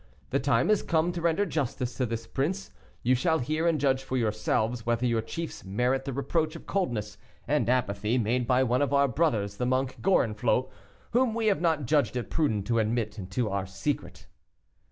The time is come to render justice to this prince; you shall hear and judge for yourselves whether your chiefs merit the reproach of coldness and apathy made by one of our brothers, the monk Gorenflot, whom we have not judged it prudent to admit into our secret."